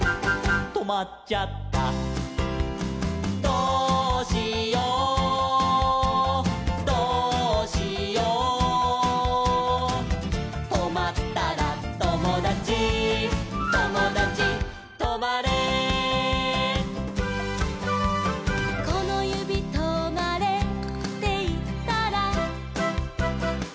「どうしようどうしよう」「とまったらともだちともだちとまれ」「このゆびとまれっていったら」